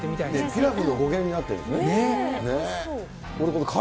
ピラフの語源になってるんですね。